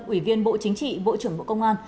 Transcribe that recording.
ủy viên bộ chính trị bộ trưởng bộ công an